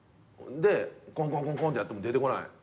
コンコンコンコンってやっても出てこない。